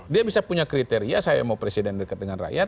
dia bisa punya kriteria saya mau presiden dekat dengan rakyat